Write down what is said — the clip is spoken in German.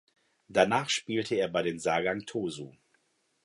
Danach spielte er bei den Sagan Tosu.